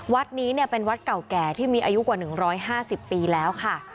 วัดนี้เป็นวัดเก่าแก่ที่มีอายุกว่า๑๕๐ปีแล้วค่ะ